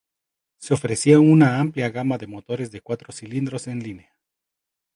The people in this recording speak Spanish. Se ofrecía una amplia gama de motores de cuatro cilindros en línea.